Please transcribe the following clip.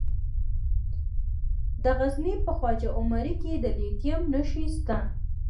د غزني په خواجه عمري کې د لیتیم نښې شته.